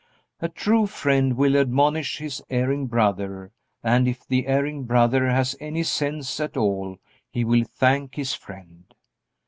A true friend will admonish his erring brother, and if the erring brother has any sense at all he will thank his friend.